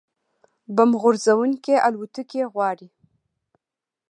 بمب غورځوونکې الوتکې غواړي